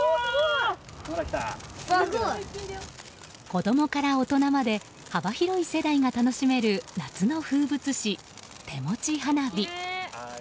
子供から大人まで幅広い世代が楽しめる夏の風物詩、手持ち花火。